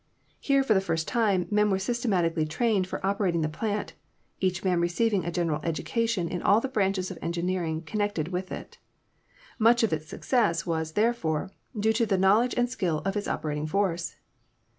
Here, for the first time, men were systematically trained for operating the plant, each man receiving a general education in all the branches of engineering connected with it. Much of its success was, therefore, due to the knowledge and skill of its operating force.